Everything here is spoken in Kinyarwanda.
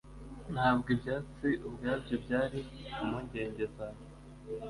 Ntabwo ibyatsi ubwabyo byari impungenge zawe